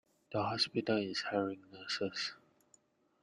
The hospital is hiring nurses.